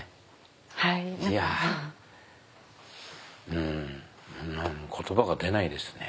うん言葉が出ないですね。